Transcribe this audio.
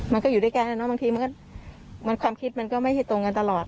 มันก็อยู่ด้วยกันแล้วเนอะบางทีมันความคิดมันก็ไม่ตรงกันตลอด